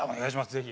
ぜひ。